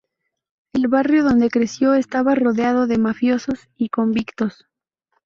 El barrio donde creció estaba rodeado de mafiosos y convictos.